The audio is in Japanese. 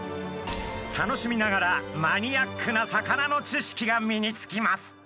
楽しみながらマニアックな魚の知識が身につきます。